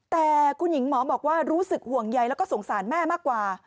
แต่คุณหญิงหมอบอกว่ารู้สึกห่วงใยแล้วก็สงสารแม่มากกว่า